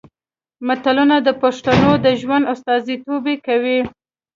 متلونه د پښتنو د ژوند استازیتوب کوي